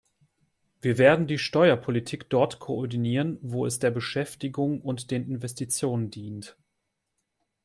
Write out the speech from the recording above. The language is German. Wir werden die Steuerpolitik dort koordinieren, wo es der Beschäftigung und den Investitionen dient.